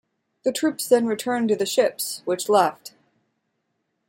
The troops then returned to the ships, which left.